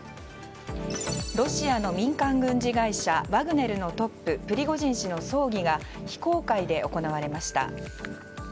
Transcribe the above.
ロシアの民間軍事会社ワグネルのトップ、プリゴジン氏の葬儀が非公開で行われました。